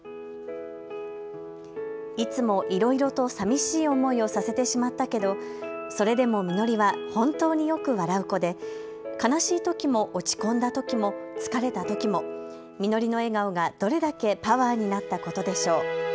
いつもいろいろとさみしい思いをさせてしまったけど、それでもみのりは本当によく笑う子で悲しいときも落ち込んだときも疲れたときも、みのりの笑顔がどれだけパワーになったことでしょう。